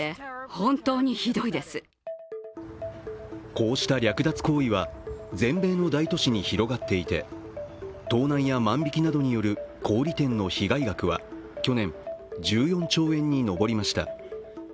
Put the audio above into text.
こうした略奪行為は全米の大都市に広がっていて、盗難や万引きなどによる小売店の被害額は去年、１４兆円に上りました。